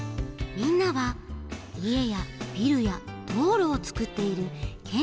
みんなはいえやビルやどうろをつくっているけん